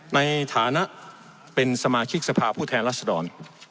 ในฐานะเป็นสมาชิกสภาพผู้แทนรัศดร